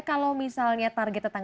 kalau misalnya target tetapi